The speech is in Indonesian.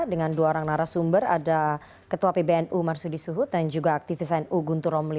dengan dua orang narasumber ada ketua pbnu marsudi suhut dan juga aktivis nu guntur romli